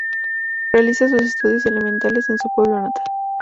Realiza sus estudios elementales en su pueblo natal.